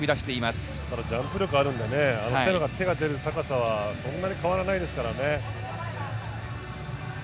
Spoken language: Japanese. ただジャンプ力があるので、手が出る高さはそんなに変わらないですからね。